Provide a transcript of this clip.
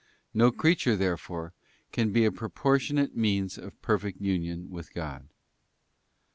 No creature, therefore, can bea proportion ate means of perfect union with God.